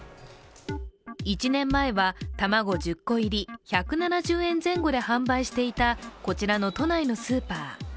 １年前は卵１０個入り１７０円前後で販売していたこちらの都内のスーパー。